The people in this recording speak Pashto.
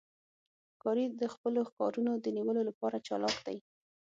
ښکاري د خپلو ښکارونو د نیولو لپاره چالاک دی.